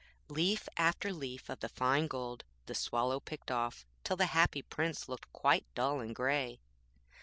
Leaf after leaf of the fine gold the Swallow picked off, till the Happy Prince looked quite dull and grey.